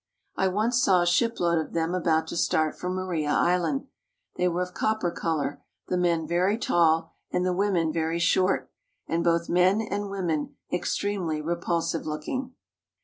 I once saw a shipload of them about to start for Maria Island. They were of copper color, the men very tall and the women very short, and both men and women extremely repulsive looking.